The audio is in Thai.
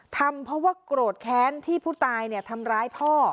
ทำเพราะว่าโกรธแค้นที่ผู้ตายทำร้ายพ่อ